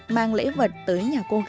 mang lễ vật tới nhà cô gái